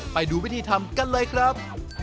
ไปดูวิธีทำกันเลยครับ